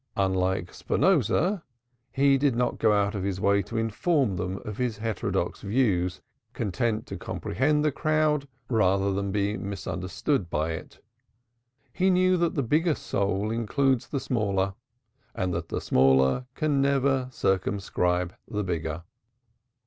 Unlike Spinoza, too, he did not go out of his way to inform them of his heterodox views, content to comprehend the crowd rather than be misunderstood by it. He knew that the bigger soul includes the smaller and that the smaller can never circumscribe the bigger.